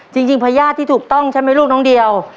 พญาติที่ถูกต้องใช่ไหมลูกน้องเดียว